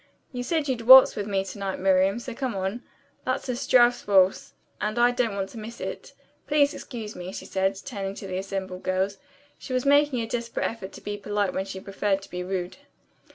"You said you'd waltz with me to night, Miriam, so come on. That's a Strauss waltz, and I don't want to miss it. Please excuse me," she said, turning to the assembled girls. She was making a desperate effort to be polite when she preferred to be rude.